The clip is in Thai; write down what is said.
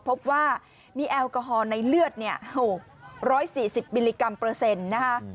พบว่ามีแอลกอฮอล์ในเลือด๖๔๐มิลลิกรัมเปอร์เซ็นต์นะคะ